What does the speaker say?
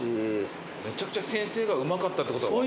めちゃくちゃ先生がうまかったってことが分かる。